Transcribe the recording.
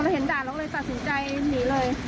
บรึกจริงด้านหรูเลยตัดสินใจหนีเลย